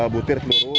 delapan butir peluru